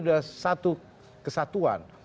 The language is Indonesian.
sudah satu kesatuan